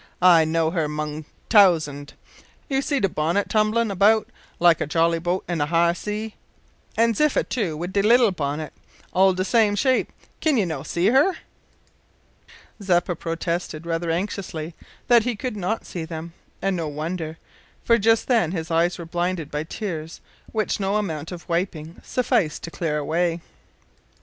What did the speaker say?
I'd know her 'mong a t'ousind. You sees de bonnit tumblin' about like a jollyboat in a high sea; an' Ziffa too wid de leetil bonnit, all de same shape, kin you no' see her?" Zeppa protested, rather anxiously, that he could not see them, and no wonder, for just then his eyes were blinded by tears which no amount of wiping sufficed to clear away.